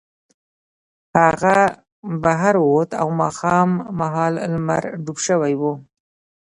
هغه بهر ووت او ماښام مهال لمر ډوب شوی و